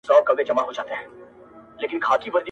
پر خوار او پر غریب د هر آفت لاسونه بر دي!